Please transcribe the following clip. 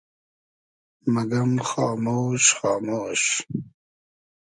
مئگئم خامۉش خامۉش